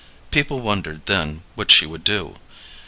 People wondered then what she would do.